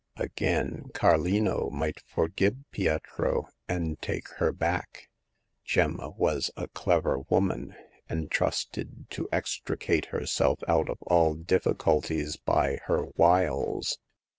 Again, Carlino might forgive Pietro, and take her back. Gemma was a clever woman, and trusted to extricate herself out of all difficulties by her wiles.